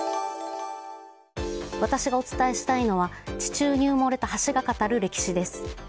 私がお伝えしたいのは地中に埋もれた橋が語る歴史です。